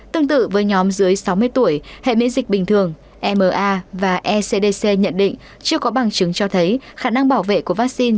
tương tự với nhóm dưới sáu mươi tuổi hệ miễn dịch bình thường ma và ecdc nhận định chưa có bằng chứng cho thấy khả năng bảo vệ của vaccine